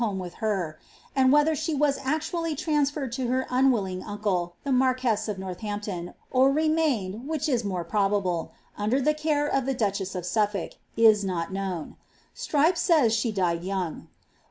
home with her; and whether she was actually transferred to her M willing uncle, the marquess of Northampton^ or remained, which ii more probable, under the care of the ducltess of Sufiblk, is not known. Str}'pe says she died young.